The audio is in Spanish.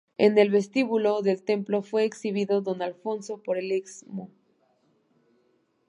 En el vestíbulo del templo fue recibido don Alfonso por el Excmo.